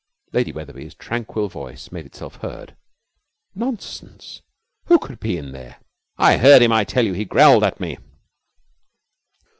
Lady Wetherby's tranquil voice made itself heard. 'Nonsense; who could be in there?' 'I heard him, I tell you. He growled at me!'